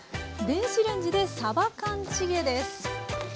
電子レンジでさば缶チゲです。